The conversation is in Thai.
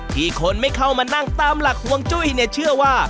คนไม่เข้ามานั่งตามหลักห่วงจุ้ยเนี่ยเชื่อว่า